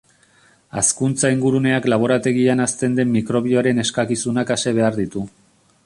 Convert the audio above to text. Hazkuntza-inguruneak laborategian hazten den mikrobioaren eskakizunak ase behar ditu.